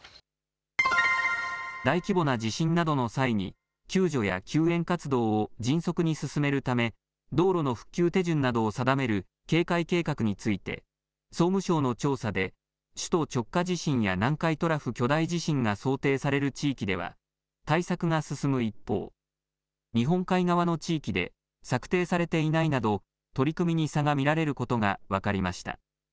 大規模な地震などの際に救助や救援活動を迅速に進めるため道路の復旧手順などを定める啓開計画について総務省の調査で首都直下地震や南海トラフ巨大地震が想定される地域では対策が進む一方、日本海側の地域で策定されていないなど取り組みに差が見られることが分かりました。